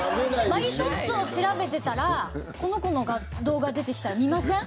マリトッツォを調べてたらこの子の動画出てきたら見ません？